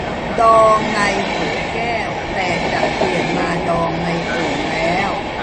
ดองในโถแก้ว แต่จะเปลี่ยนมาดองในโอ่งแล้ว